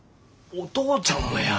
お父ちゃんもや。